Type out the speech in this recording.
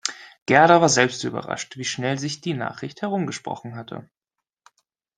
Gerda war selbst überrascht, wie schnell sich die Nachricht herumgesprochen hatte.